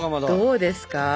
どうですか？